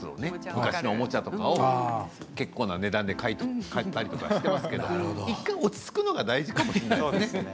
昔のおもちゃとかも結構な値段で買ったりしていますけど１回、落ち着くのが大事かもしれませんね。